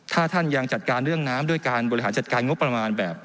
ถ้าท่านยังจัดการเรื่องน้ำด้วยการบริหารจัดการงบประมาณแบบ